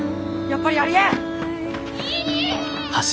やっぱりありえん！